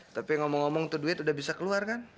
tapi ngomong ngomong to duit udah bisa keluar kan